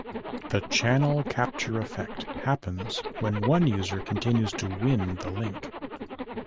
The channel capture effect happens when one user continues to "win" the link.